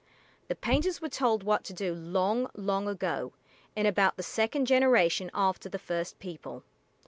The painters were told what to do long, long ago, "in about the second generation after the first people."